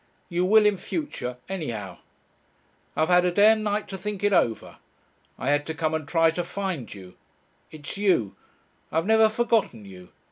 You will in future. Anyhow. I've had a day and night to think it over. I had to come and try to find you. It's you. I've never forgotten you.